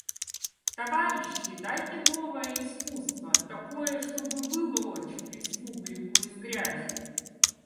Товарищи, дайте новое искусство — такое, чтобы выволочь республику из грязи.